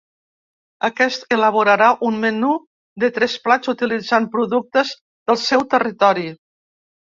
Aquest elaborarà un menú de tres plats utilitzant productes del seu territori.